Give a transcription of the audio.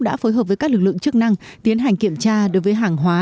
đã phối hợp với các lực lượng chức năng tiến hành kiểm tra đối với hàng hóa